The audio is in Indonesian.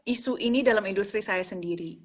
isu ini dalam industri saya sendiri